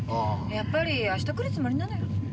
やっぱり明日来るつもりなのよ。